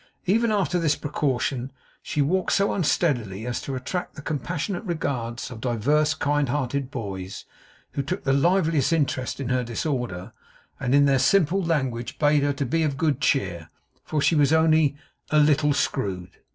Even after this precaution, she walked so unsteadily as to attract the compassionate regards of divers kind hearted boys, who took the liveliest interest in her disorder; and in their simple language bade her be of good cheer, for she was 'only a little screwed.